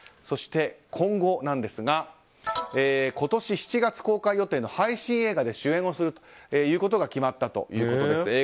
そして今後ですが今年７月公開予定の配信映画で主演をすることが決まったということです。